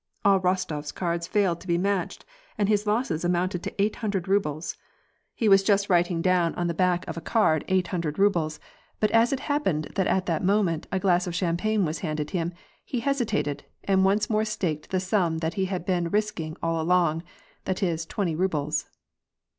All Bostof s cards failed to be matched, and his losses amounted to eight hundred rubles. He was just writing 54 WAR AND PEACE. down on the back of a card eight hundred rubles, but as it happened that at that moment, a glass of champagne was handed him, he hesitated, and once more staked the sum that he had been risking all along, that is twenty rubles.